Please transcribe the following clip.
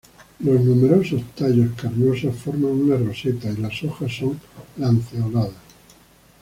Los numerosos tallos carnosos forman una roseta, y las hojas son lanceoladas.